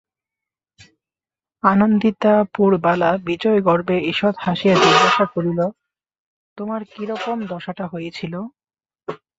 আনন্দিতা পুরবালা বিজয়গর্বে ঈষৎ হাসিয়া জিজ্ঞাসা করিল, তোমার কিরকম দশাটা হয়েছিল!